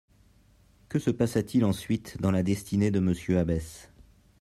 Que se passa-t-il ensuite dans la destinée de M Abbesse